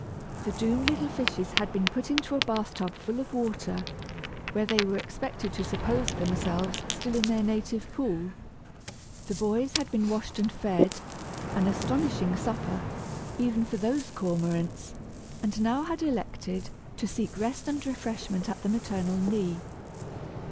The doomed little fishes had been put into a bath tub full of water, where they were expected to suppose themselves still in their native pool. The boys had been washed and fed an astonishing supper, even for those cormorants! and now had elected to seek rest and refreshment at the maternal knee.